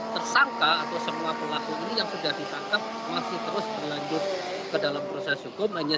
tersangka atau semua pelaku ini yang sudah ditangkap masih terus berlanjut ke dalam proses hukum hanya